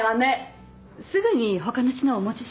すぐに他の品をお持ちします。